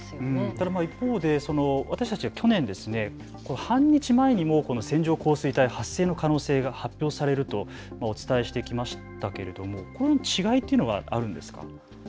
ただ一方で私たちは去年、半日前にも線状降水帯が発生の可能性が発表されるとお伝えしてきましたけれどもこの違いというのはあるんですか。